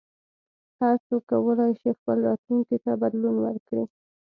هر څوک کولای شي خپل راتلونکي ته بدلون ورکړي.